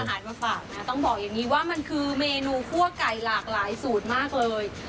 อาหารมาฝากนะต้องบอกอย่างนี้ว่ามันคือเมนูคั่วไก่หลากหลายสูตรมากเลย